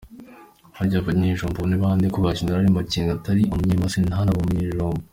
Harya abanyejomba ni bande ko na Gen Makenga atari umunyemasisi ntanabe umunyejomba?